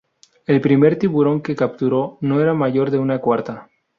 El primer tiburón que capturó no era mayor de una cuarta.